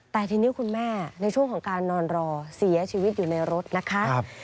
แต่ทีนี้คุณแม่ในช่วงของการนอนรอเสียชีวิตอยู่ในรถนะคะ